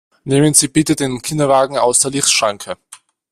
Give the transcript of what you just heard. Nehmen Sie bitte den Kinderwagen aus der Lichtschranke!